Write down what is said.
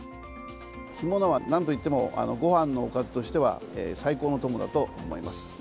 干物は、なんといってもごはんのおかずとしては最高のお供だと思います。